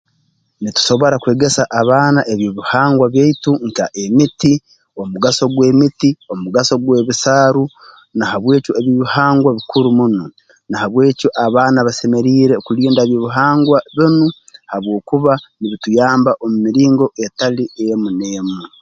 Nitusobora kwegesa abaana eby'obuhangwa byaitu nka emiti omugaso gw'emiti omugaso gw'ebisaaru na habwe'kyo eby'obuhangwa bukuru muno na habw'ekyo abaana basemeriire kulinda by'obuhangwa binu habwokuba nibituyamba omu miringo etali emu n'emu